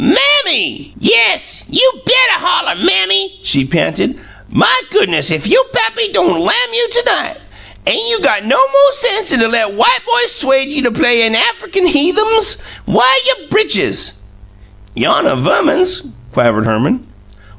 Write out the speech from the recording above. "MAMMY!" "Yes; you bettuh holler, 'Mammy!"' she panted. "My goo'ness, if yo' pappy don' lam you to night! Ain' you got no mo' sense 'an to let white boys 'suede you play you Affikin heathums? Whah you britches?" "Yonnuh Verman's," quavered Herman.